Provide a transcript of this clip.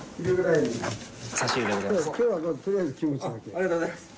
ありがとうございます。